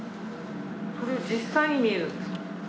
・これは実際に見えるんですか？